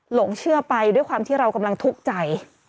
หลงเชื่อไปด้วยความที่เรากำลังทุกข์ใจ